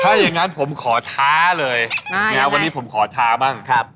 ถ้าอย่างนั้นผมขอท้าเลยวันนี้ผมขอท้าบ้างครับ